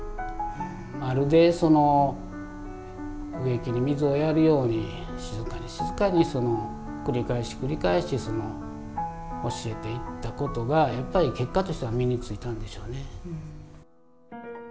まるで植木に水をやるように静かに静かに繰り返し繰り返し教えていったことが結果としては身に付いたんでしょうね。